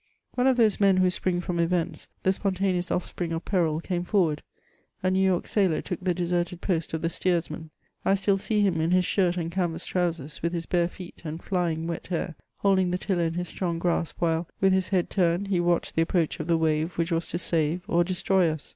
One of those men who spring from events, the spontaneous offiipring of peril, came forward : a New York sailor took the de >serted post of the steersman. I still see him in his shirt and can vass trousers, with his bare feet, and flying wet hair, holding the tiller in his strong grasp, while, with his head turned, he watched the approach of the wave which was to save or destroy us.